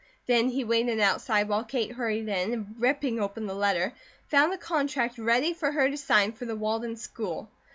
Then he waited outside while Kate hurried in, and ripping open the letter, found a contract ready for her to sign for the Walden school.